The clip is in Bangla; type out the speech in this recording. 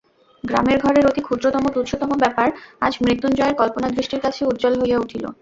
গ্রামের ঘরের অতি ক্ষুদ্রতম তুচ্ছতম ব্যাপার আজ মৃত্যুঞ্জয়ের কল্পনাদৃষ্টির কাছে উজ্জ্বল হইয়া উঠিল।